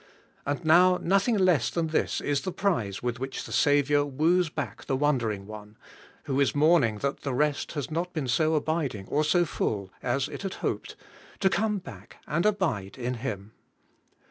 And now nothing less than this is the prize with which the Saviour woos back the wan dering one — who is mourning that the rest has not been so abiding or so full as it had hoped — to come back and abide in Him.